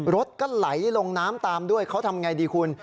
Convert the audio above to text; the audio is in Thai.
รถก็ไหลลงน้ำตามด้วยเขาทำไงดีคุณ